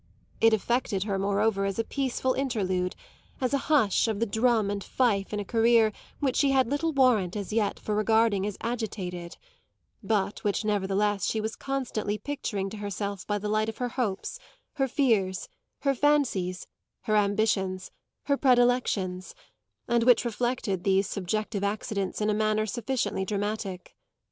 It affected her moreover as a peaceful interlude, as a hush of the drum and fife in a career which she had little warrant as yet for regarding as agitated, but which nevertheless she was constantly picturing to herself by the light of her hopes, her fears, her fancies, her ambitions, her predilections, and which reflected these subjective accidents in a manner sufficiently dramatic.